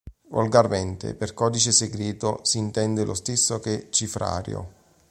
Volgarmente, per "codice segreto" si intende lo stesso che "cifrario".